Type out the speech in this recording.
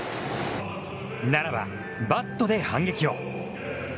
ならばバットで反撃を。